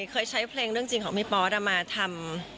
เคยใช้เพลงเรื่องจริงของพี่ปอสมาทำ